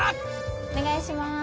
お願いします。